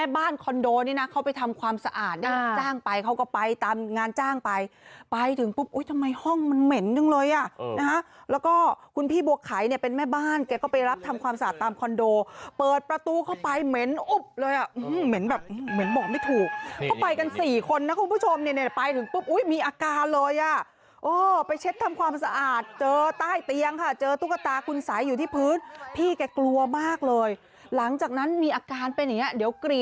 บ้านคอนโดนี้เขาไปทำความสะอาดจ้างไปเขาก็ไปตามงานจ้างไปไปถึงปุ๊บทำไมห้องมันเหม็นหนึ่งเลยแล้วก็คุณพี่บัวไขเป็นแม่บ้านเขาก็ไปรับทำความสะอาดตามคอนโดเปิดประตูเข้าไปเหม็นอุ๊บเลยเหม็นแบบเหม็นบอกไม่ถูกเขาก็ไปกันสี่คนนะคุณผู้ชมไปถึงปุ๊บมีอาการเลยไปเช็ดทำความสะอาดเจอใต้เตียงเจอตุ๊กตาคุณสัยอยู่ที่